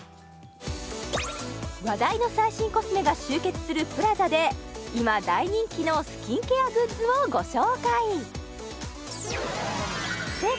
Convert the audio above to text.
話題の最新コスメが集結するＰＬＡＺＡで今大人気のスキンケアグッズをご紹介星夏